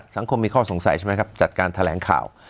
สังคมมีข้อสงสัยใช่ไหมครับจัดการแถลงข่าว